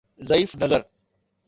ضعيف نظر